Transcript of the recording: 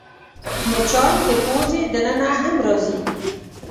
مچان د پوزې دننه هم راځي